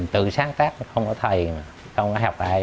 tự sáng tác không có thầy không có học ai